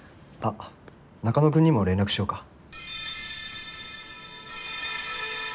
あっ中野くんにも連絡しようか。